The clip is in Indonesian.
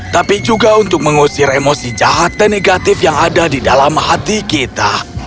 tapi juga untuk mengusir emosi jahat dan negatif yang ada di dalam hati kita